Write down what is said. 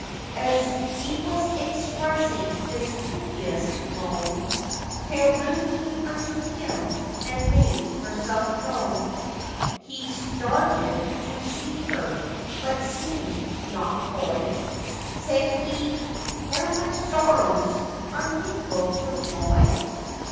As he was expressing his piteous moan, Fair Ruth came unto him, and made herself known; He started to see her, but seemèd not coy, Said he, 'Now my sorrows are mingled with joy!